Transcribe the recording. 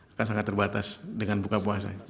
akan sangat terbatas dengan buka puasa